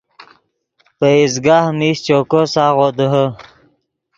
پئیز گاہ میش چوکو ساغو دیہے